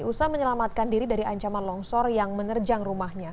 usaha menyelamatkan diri dari ancaman longsor yang menerjang rumahnya